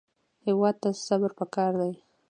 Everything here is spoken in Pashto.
هېواد ته صبر پکار دی